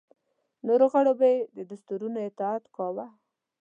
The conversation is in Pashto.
نورو غړو به یې دستورونو اطاعت کاوه.